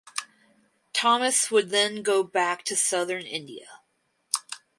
Thomas would then go back to southern India.